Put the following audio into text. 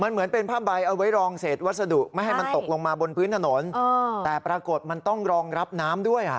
เหมือนเป็นผ้าใบเอาไว้รองเศษวัสดุไม่ให้มันตกลงมาบนพื้นถนนแต่ปรากฏมันต้องรองรับน้ำด้วยอ่ะ